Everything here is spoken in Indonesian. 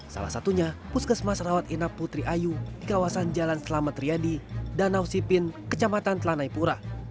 salah satunya puskesmas rawat inap putri ayu di kawasan jalan selamat riyadi danau sipin kecamatan telanai pura